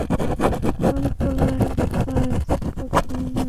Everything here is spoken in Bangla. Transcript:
আমার উপর লাইন মারার চেষ্টা করো না।